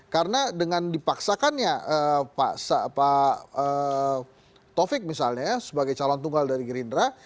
karena dengan dipaksakannya pak tovik misalnya sebagai calon tunggal dari gerindra